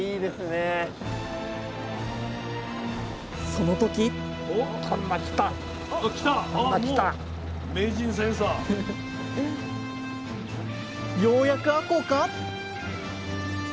その時ようやくあこうか？